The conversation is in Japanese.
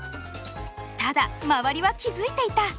ただ周りは気付いていた！